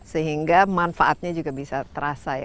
sehingga manfaatnya juga bisa terasa ya